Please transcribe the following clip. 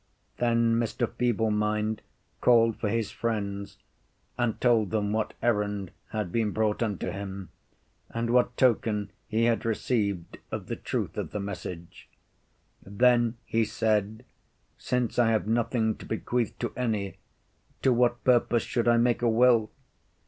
Then Mr. Feeble mind called for his friends, and told them what errand had been brought unto him, and what token he had received of the truth of the message. Then he said, Since I have nothing to bequeath to any, to what purpose should I make a will?